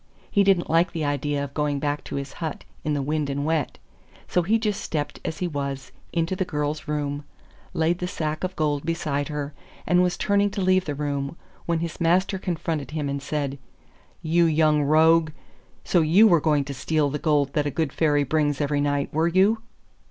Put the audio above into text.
He didn't like the idea of going back to his hut in the wind and wet, so he just stepped as he was into the girl's room, laid the sack of gold beside her, and was turning to leave the room, when his master confronted him and said, 'You young rogue, so you were going to steal the gold that a good Fairy brings every night, were you?